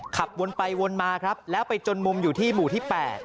ขับวนไปวนมาครับแล้วไปจนมุมอยู่ที่หมู่ที่๘